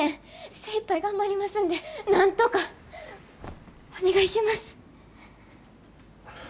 精いっぱい頑張りますんでなんとか。お願いします。